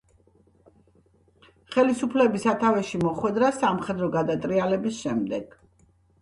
ხელისუფლების სათავეში მოხვდა სამხედრო გადატრიალების შემდეგ.